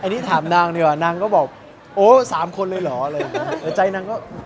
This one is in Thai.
ใจนังก็โอเคแหละ